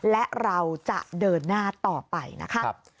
และเราจะเดินหน้าต่อไปนะคะ